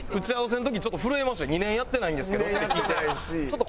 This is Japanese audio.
２年やってないんですけどって聞いて。